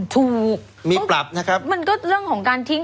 ถูกมีปรับนะครับมันก็เรื่องของการทิ้ง